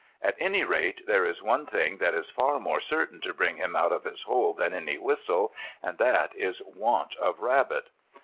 At any rate there is one thing that is far more certain to bring him out of his hole than any whistle, and that is want of rabbit.